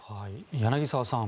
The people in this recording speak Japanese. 柳澤さん